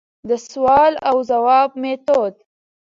دسوال او ځواب ميتود: